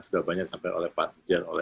sudah banyak disampaikan oleh pak dirjen